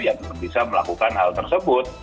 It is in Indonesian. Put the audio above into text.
yang bisa melakukan hal tersebut